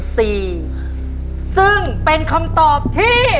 ซึ่งเป็นคำตอบที่